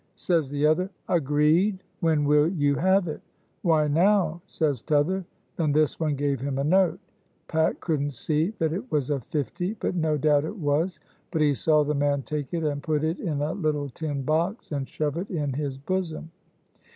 Says the other, 'Agreed! when will you have it?' 'Why, now,' says t'other. Then this one gave him a note. Pat couldn't see that it was a fifty, but no doubt it was, but he saw the man take it and put it in a little tin box and shove it in his bosom."